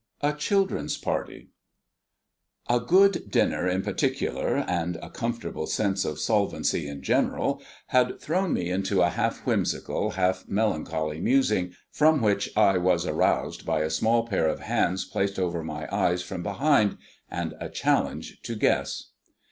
IV A CHILDREN'S PARTY A good dinner in particular, and a comfortable sense of solvency in general, had thrown me into a half whimsical, half melancholy musing, from which I was roused by a small pair of hands placed over my eyes from behind, and a challenge to guess.